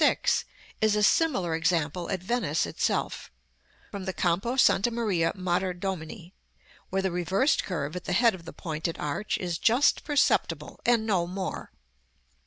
6, is a similar example at Venice itself, from the Campo Santa Maria Mater Domini, where the reversed curve at the head of the pointed arch is just perceptible and no more.